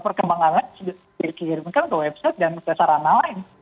perkembangan lain dikirimkan ke website dan keseranaan lain